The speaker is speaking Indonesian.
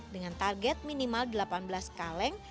dengan target minimal delapan belas kaleng